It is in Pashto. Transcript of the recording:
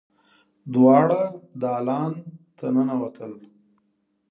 دواړه دالان ته ننوتل.